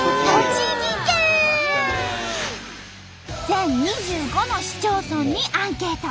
全２５の市町村にアンケート。